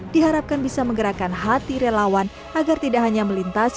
diharapkan bisa menggerakkan